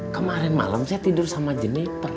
kemarin malam saya tidur sama jeniper